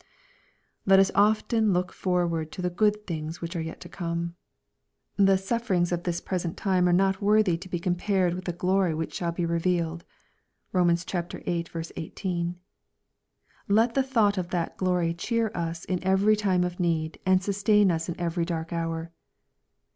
Let us often look forward to the good things which are yet to come. The " suflFerings of this present time are not worthy to be compared with the glory which shall be revealed." (Kom. viii. 18.) Let the thought of that glory cheer us in every time of need, and sustain us in every dark hour.